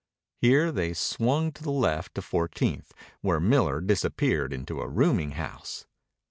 Here they swung to the left to Fourteenth, where Miller disappeared into a rooming house.